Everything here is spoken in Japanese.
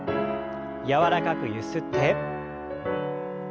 柔らかくゆすって。